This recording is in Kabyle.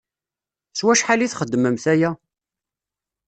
S wacḥal i txeddmemt aya?